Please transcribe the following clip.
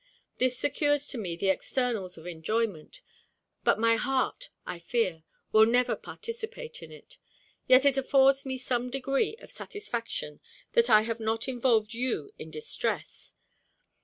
This secures to me the externals of enjoyment, but my heart, I fear, will never participate it; yet it affords me some degree of satisfaction that I have not involved you in distress.